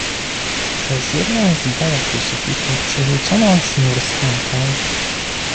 "Przez jedną z belek u sufitu przerzucono sznur z pętlą."